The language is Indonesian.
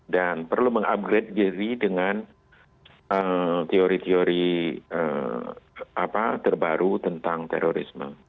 dan perlu mengupgrade diri dengan teori teori terbaru tentang terorisme